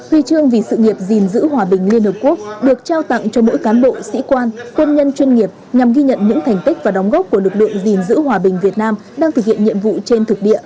huy chương vì sự nghiệp gìn giữ hòa bình liên hợp quốc được trao tặng cho mỗi cán bộ sĩ quan quân nhân chuyên nghiệp nhằm ghi nhận những thành tích và đóng góp của lực lượng gìn giữ hòa bình việt nam đang thực hiện nhiệm vụ trên thực địa